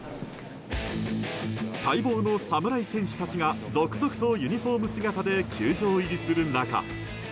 待望の侍選手たちが続々とユニホーム姿で球場入りする中。